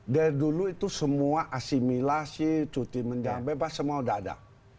dari dulu itu semua asimilasi cuti menjelang bebas semua sudah ada